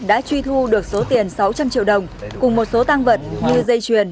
đã truy thu được số tiền sáu trăm linh triệu đồng cùng một số tăng vật như dây chuyền